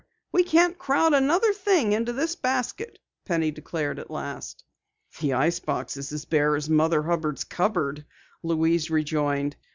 We can't crowd another thing into the basket," Penny declared at last. "The ice box is as bare as Mother Hubbard's cupboard," Louise rejoined.